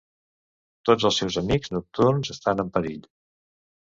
Tots els seus amics nocturns estan en perill.